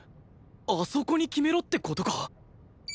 あそこに決めろって事か？